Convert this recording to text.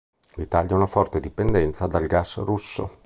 L'Italia ha una forte dipendenza dal gas russo.